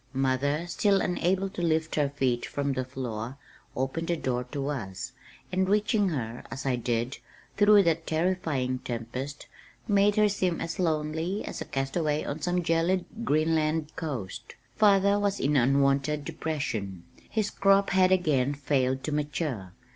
Mother, still unable to lift her feet from the floor, opened the door to us, and reaching her, as I did, through that terrifying tempest, made her seem as lonely as a castaway on some gelid Greenland coast. Father was in unwonted depression. His crop had again failed to mature.